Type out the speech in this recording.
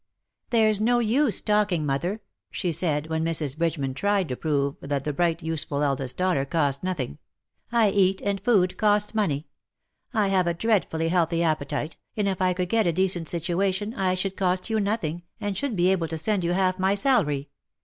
*' There^s no use talking, mother/"' she said, when Mrs. Bridgeman tried to prove that the bright useful eldest daughter cost nothing ;" I eat, and food costs money. I have a dreadfully healthy appetite,, and if I could get a decent situation I should cost you nothing, and should be able to send you half my salary.